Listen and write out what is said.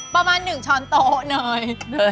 ประมาณ๑ช้อนโต๊ะหน่อย